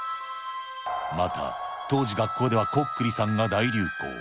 また、当時学校ではコックリさんが大流行。